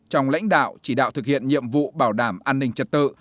trong lãnh đạo chỉ đạo thực hiện nhiệm vụ bảo đảm an ninh trật tự